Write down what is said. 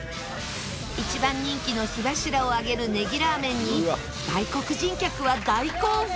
一番人気の火柱を上げるネギラーメンに外国人客は大興奮！